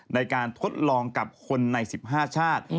ในการทดลองกับคนใน๑๕ชาติ